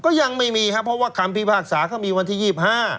ก็ยังไม่มีครับเพราะว่าคำพิพากษาเขามีวันที่๒๕